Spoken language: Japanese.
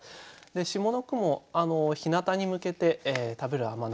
下の句も日向に向けて食べる甘夏。